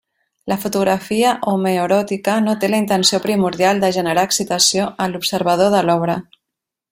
La fotografia homoeròtica no té la intenció primordial de generar excitació en l'observador de l'obra.